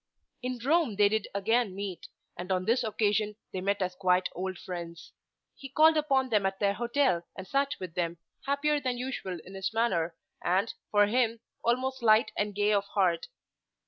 In Rome they did again meet, and on this occasion they met as quite old friends. He called upon them at their hotel and sat with them, happier than usual in his manner, and, for him, almost light and gay of heart.